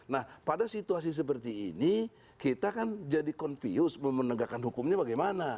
nah pada situasi seperti ini kita kan jadi confuse memenegakan hukumnya bagaimana